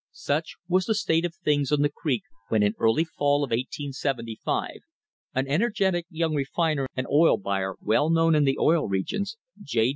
Such was the state of things on the creek when in the early fall of 1875 an energetic young refiner and oil buyer well known in the Oil Regions, J.